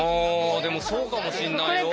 あでもそうかもしんないよ。